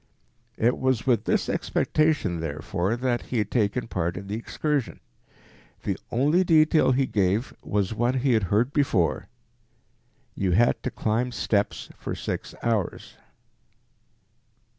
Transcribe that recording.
It was with this expectation, therefore, that he had taken part in the excursion. The only detail he gave was one he had heard before, "you had to climb steps for six hours."